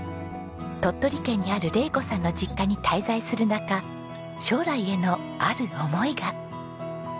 鳥取県にある玲子さんの実家に滞在する中将来へのある思いが。